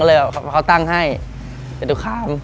เราก็เลยเขาตั้งให้จัตุคราม